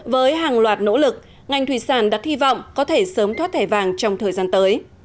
với hàng loạt nỗ lực ngành thủy sản đặt hy vọng có thể sớm thoát thẻ vàng trong thời gian tới